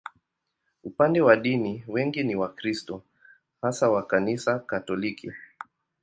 Upande wa dini, wengi ni Wakristo, hasa wa Kanisa Katoliki.